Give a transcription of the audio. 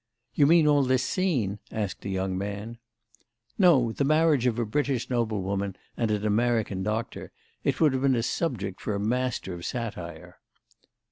"You mean all this scene?" asked the young man. "No; the marriage of a British noblewoman and an American doctor. It would have been a subject for a master of satire."